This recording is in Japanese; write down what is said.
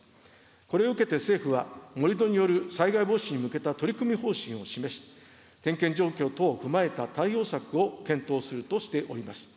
これを受けて政府は、盛土による災害防止に向けた取組方針を示し、点検状況等を踏まえた対応策を検討するとしております。